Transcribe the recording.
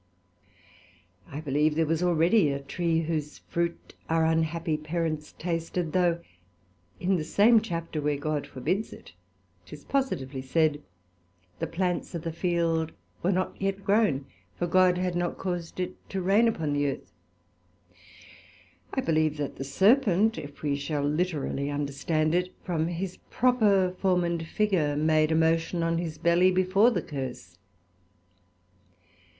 I believe there was already a tree whose fruit our unhappy Parents tasted, though, in the same Chapter when God forbids it, 'tis positively said, the plants of the field were not yet grown, for God had not caus'd it to rain upon the earth. I believe that the Serpent (if we shall literally understand it) from his proper form and figure, made his motion on his belly before the curse.